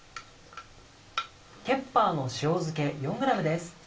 ケッパーの塩漬け４ｇです。